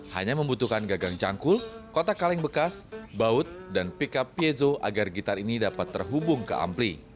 hanya membutuhkan gagang cangkul kotak kaleng bekas baut dan pickup piezo agar gitar ini dapat terhubung ke ampli